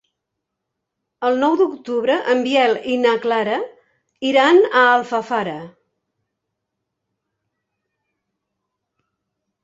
El nou d'octubre en Biel i na Clara iran a Alfafara.